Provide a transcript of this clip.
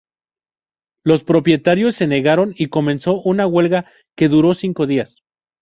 Los propietarios se negaron, y comenzó una huelga que duró cinco días.